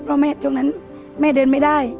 เพราะแม่ช่วงนั้นแม่เดินไม่ได้